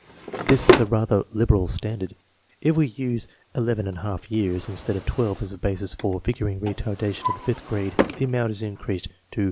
This is a rather liberal standard. If we use 11J years instead of 12 as a basis for figuring retardation in the fifth grade, the amount is increased to 41.